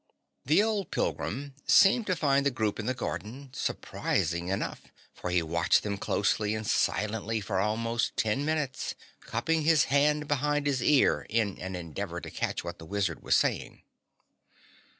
The old pilgrim seemed to find the group in the garden surprising enough, for he watched them closely and silently for almost ten minutes, cupping his hand behind his ear in an endeavor to catch what the Wizard was saying.